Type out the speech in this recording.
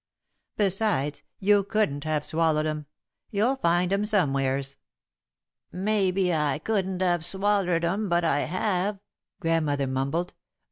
Besides, you couldn't have swallowed 'em. You'll find 'em somewheres." "Maybe I couldn't have swallered 'em, but I have," Grandmother mumbled.